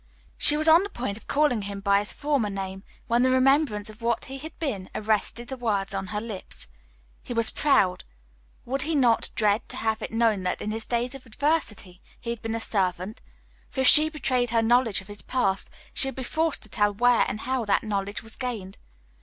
She was on the point of calling him by his former name, when the remembrance of what he had been arrested the words on her lips. He was proud; would he not dread to have it known that, in his days of adversity, he had been a servant? For if she betrayed her knowledge of his past, she would be forced to tell where and how that knowledge was gained.